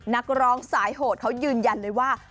นักร้องสายโหดเขายืนยันเลยว่า